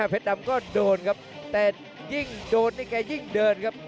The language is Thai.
เผ็ดดำก็โดนครับแต่ยิ่งโดนก็ยิ่งเดินครับ